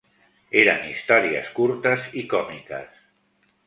Eren històries curtes i còmiques.